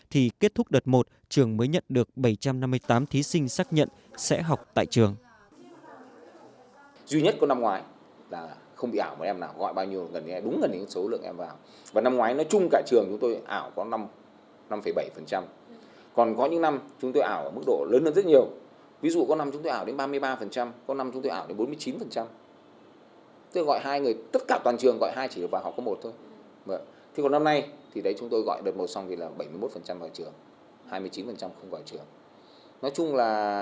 thì kết thúc đợt một trường mới nhận được bảy trăm năm mươi tám thí sinh xác nhận sẽ học tại trường